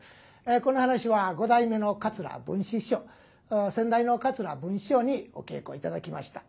この噺は五代目の桂文枝師匠先代の桂文枝師匠にお稽古頂きました。